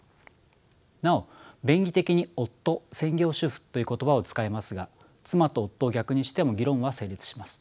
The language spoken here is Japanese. なお便宜的に夫専業主婦という言葉を使いますが妻と夫を逆にしても議論は成立します。